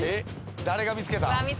誰が見つけた？